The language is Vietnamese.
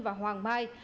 và hoàng mai